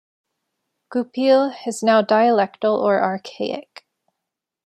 "Goupil" is now dialectal or archaic.